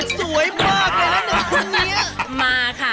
สวยมากนะครับคุณครับ